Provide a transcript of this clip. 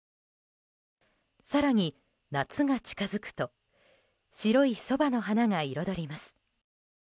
更に夏が近づくと白いソバの花が彩ります。